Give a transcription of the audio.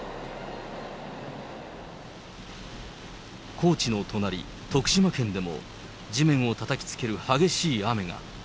高知の隣、徳島県でも地面をたたきつける激しい雨が。